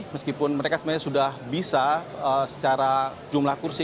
meskipun mereka sebenarnya sudah bisa secara jumlah kursi